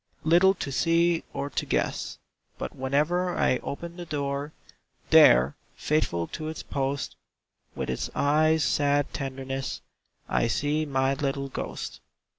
Little to see or to guess; But whenever I open the door, There, faithful to its post, With its eyes' sad tenderness, I see my little ghost.